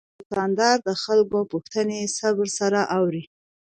دوکاندار د خلکو پوښتنې صبر سره اوري.